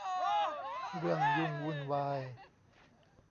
เรื่องยุ่งวุ่นวาย